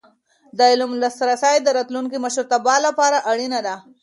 د علم لاسرسی د راتلونکي مشرتابه لپاره اړینه ده.